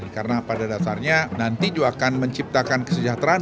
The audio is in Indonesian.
karena pada dasarnya nanti juga akan menciptakan kesejahteraan